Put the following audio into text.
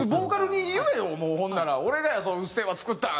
もうほんなら「俺らやぞ『うっせぇわ』作ったん！」